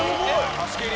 貸し切り？